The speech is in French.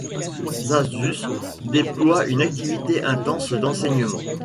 Zasius déploie une activité intense d'enseignement.